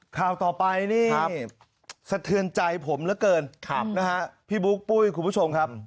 คราวต่อไปซะเทือนใจผมมาก